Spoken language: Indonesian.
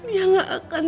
dia gak akan